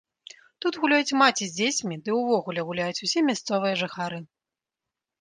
Тут гуляюць маці з дзецьмі ды ўвогуле гуляюць усе мясцовыя жыхары.